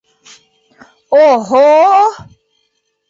О-һ-о!